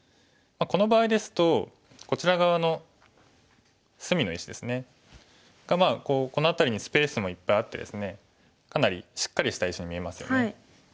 この場合ですとこちら側の隅の石ですね。がこの辺りにスペースもいっぱいあってですねかなりしっかりした石に見えますよね。